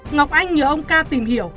ngọc anh nhờ ông ca tìm hiểu